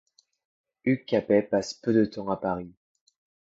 Hugues Capet passe peu de temps à Paris.